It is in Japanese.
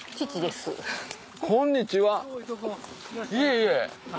いえいえ。